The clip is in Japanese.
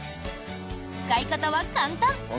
使い方は簡単。